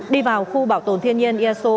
đi vào khu bảo tồn thiên nhiên iaso